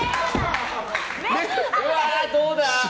うわーどうだ？